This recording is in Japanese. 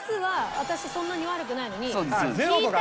そんなに悪くないのに引いた。